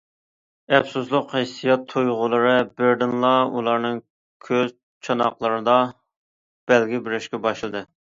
ئەپسۇسلۇق ھېسسىيات تۇيغۇلىرى بىردىنلا ئۇلارنىڭ كۆز چاناقلىرىدا بەلگە بېرىشكە باشلىدى.